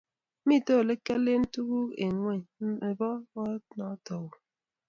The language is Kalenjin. Mito olegiale tuguk eng ingweny nebo koot noto oo